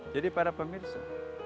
jadi para pemirsa